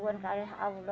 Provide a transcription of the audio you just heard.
dan allah memberkati dia